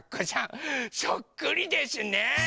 そっくりですね！